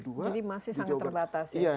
jadi masih sangat terbatas ya